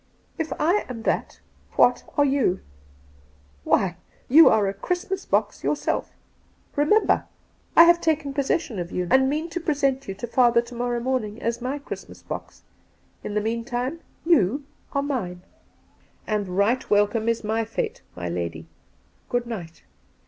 ' If I am that, what are you ? Why, you are a Christmas box yourself. Eemember, I have taken possession of you, and mean to present you to father to morrow morning as my Christmas box* In the meantime you are mine.' 222 Two Christmas Days ' And right welcome is my fate, my lady. Good night.'